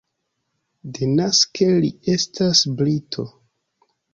Denaske li estas brito.